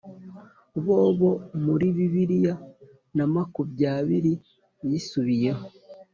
bobo muri bibiri na makubyabiri yisubiyeho